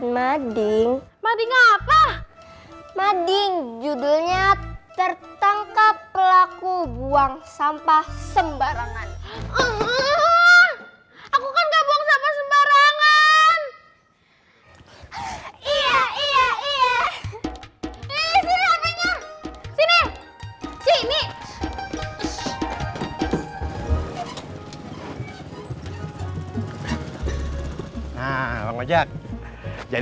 mading mading judulnya tertangkap pelaku buang sampah sembarangan